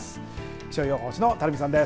気象予報士の垂水さんです。